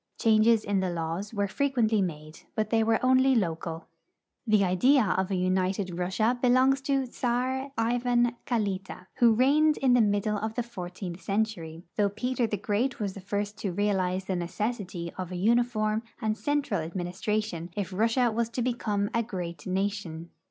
Changes in the laws were fre quently made, but they Avere only local. The idea of an united Russia belongs to Czar Ivan Kalita, Avho reigned in the middle of the fourteenth, century, though Peter the Great was the first to realize the necessity of a uniform and central administration if Russia was to become a great nation.